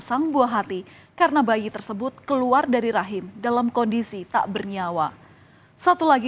sang buah hati karena bayi tersebut keluar dari rahim dalam kondisi tak bernyawa satu lagi